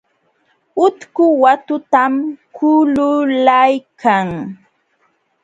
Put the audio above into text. Utku watutam kululaykan.